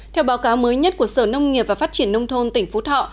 theo báo cáo mới nhất của sở nông nghiệp và phát triển nông thôn tỉnh phú thọ